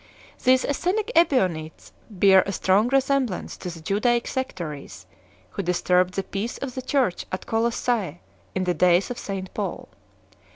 These Essenic Ebionites bear a strong re semblance to the Judaic sectaries who disturbed the peace of the Church at Colossse in the days of St Paul.